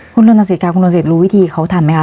คุณรนสิทธิ์ครับคุณรนสิทธิ์รู้วิธีเขาทำไหมคะ